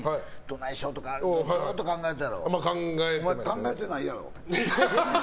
考えてないやろ。